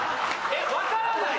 えっ？分からない？